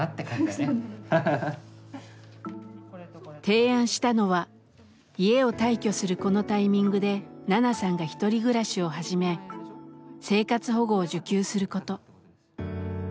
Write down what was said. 提案したのは家を退去するこのタイミングでナナさんが１人暮らしを始め生活保護を受給すること。